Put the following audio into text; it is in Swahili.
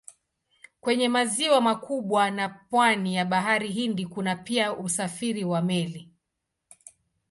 Kwenye maziwa makubwa na pwani ya Bahari Hindi kuna pia usafiri wa meli.